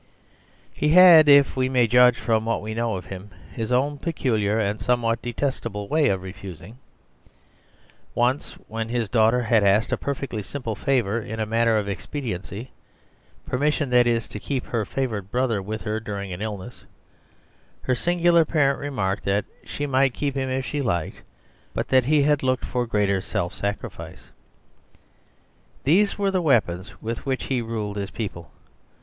He had, if we may judge from what we know of him, his own peculiar and somewhat detestable way of refusing. Once when his daughter had asked a perfectly simple favour in a matter of expediency, permission, that is, to keep her favourite brother with her during an illness, her singular parent remarked that "she might keep him if she liked, but that he had looked for greater self sacrifice." These were the weapons with which he ruled his people.